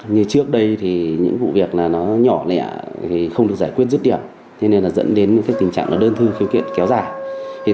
như trước đây thì những vụ việc nó nhỏ lẹ không được giải quyết dứt điểm thế nên là dẫn đến những tình trạng đơn thư khiêu kiện kéo dài